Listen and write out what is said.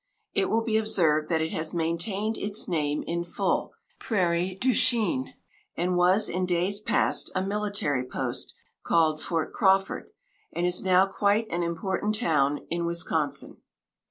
It will be observed that it has maintained its name in full, "Prairie du Chien," and was, in days past, a military post, called Fort Crawford, and is now quite an important town in Wisconsin.